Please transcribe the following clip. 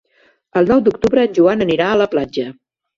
El nou d'octubre en Joan anirà a la platja.